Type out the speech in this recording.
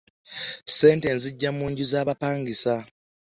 Ssente azigya mu nju zabapangisa.